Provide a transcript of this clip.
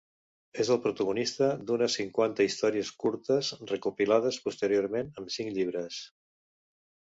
És el protagonista d'unes cinquanta històries curtes recopilades posteriorment en cinc llibres.